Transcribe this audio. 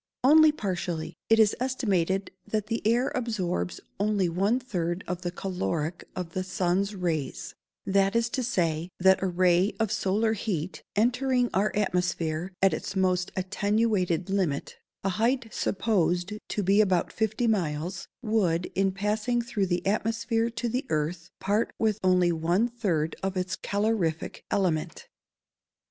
_ Only partially. It is estimated that the air absorbs only one third of the caloric of the sun's rays that is to say, that a ray of solar heat, entering our atmosphere at its most attenuated limit (a height supposed to be about fifty miles), would, in passing through the atmosphere to the earth, part with only one third of its calorific element.